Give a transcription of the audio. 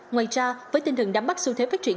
ngoài ra với tinh thần đám bắt xu thế phát triển